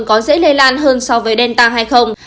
có dễ lây lan hơn so với delta hay không